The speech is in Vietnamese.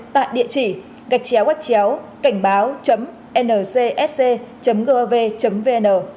tại địa chỉ gạch chéo quách chéo cảnh báo ncsc gov vn